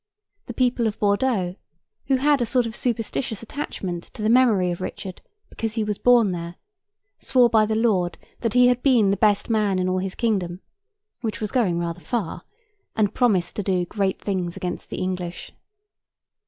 The people of Bordeaux, who had a sort of superstitious attachment to the memory of Richard, because he was born there, swore by the Lord that he had been the best man in all his kingdom—which was going rather far—and promised to do great things against the English.